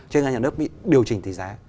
cho nên nhà nước bị điều chỉnh tỷ giá